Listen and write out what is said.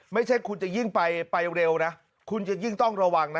ไม่ใช่คุณจะยิ่งไปเร็วนะคุณจะยิ่งต้องระวังนะ